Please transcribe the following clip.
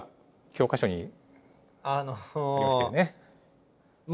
教科書にありましたよね。